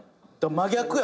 真逆や。